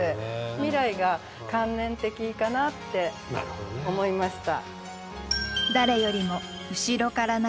「未来」が観念的かなって思いました。